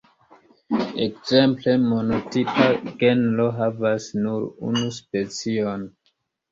Ekzemple, monotipa genro havas nur unun specion.